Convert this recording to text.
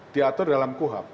diatur dalam kuhab